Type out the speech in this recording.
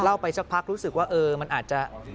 ไปสักพักรู้สึกว่าเออมันอาจจะ